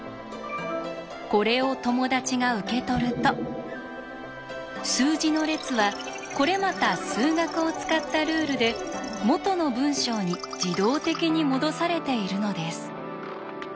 これを友達が受け取ると数字の列はこれまた数学を使ったルールで元の文章に自動的にもどされているのです。